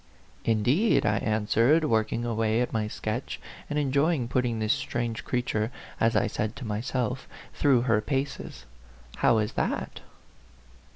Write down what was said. " Indeed !" I answered, working away at my sketch, and enjoying putting this strange creature, as I said to myself, through her paces ;" how is that